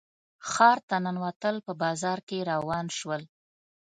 ښار ته ننوتل په بازار کې روان شول.